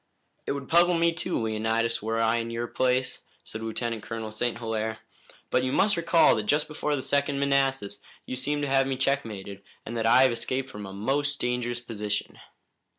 "It would puzzle me too, Leonidas, were I in your place," said Lieutenant Colonel St. Hilaire; "but you must recall that just before the Second Manassas you seemed to have me checkmated, and that I have escaped from a most dangerous position."